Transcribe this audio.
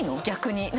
逆に。